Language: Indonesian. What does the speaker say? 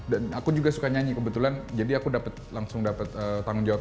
dan aku juga suka nyanyi kebetulan jadi aku langsung dapat tanggung jawab